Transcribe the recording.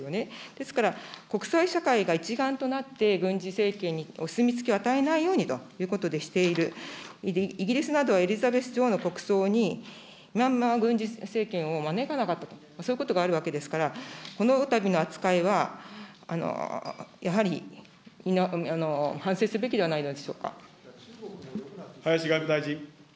ですから、国際社会が一丸となって軍事政権にお墨付きを与えないようにしている、イギリスなどはエリザベス女王の国葬にミャンマー軍事政権を招かなかったと、そういうことがあるわけですから、このたびの扱いは、やはり反省すべきなのではないでしょうか。